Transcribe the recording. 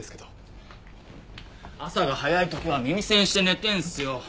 朝が早い時は耳栓して寝てるんですよ。